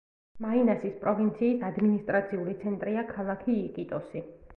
მაინასის პროვინციის ადმინისტრაციული ცენტრია ქალაქი იკიტოსი.